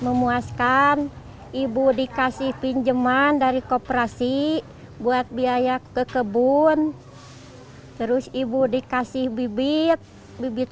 memuaskan ibu dikasih pinjaman dari kooperasi buat biaya ke kebun terus ibu dikasih bibit bibit